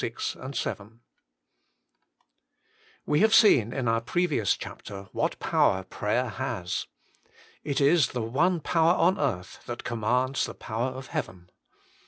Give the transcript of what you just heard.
~VU"E have seen in our previous chapter what power prayer has. It is the one power on earth that commands the power of heaven.